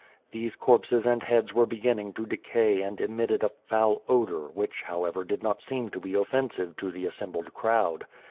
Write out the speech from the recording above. These corpses and heads were beginning to decay and emited a foul odor which how ever did not seem to be offensive to the assembled crowd.